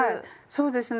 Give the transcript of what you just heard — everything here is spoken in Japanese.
そうですね